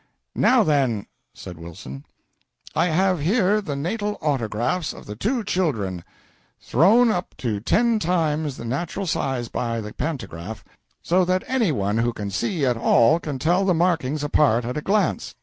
"Now, then," said Wilson, "I have here the natal autographs of two children thrown up to ten times the natural size by the pantograph, so that any one who can see at all can tell the markings apart at a glance.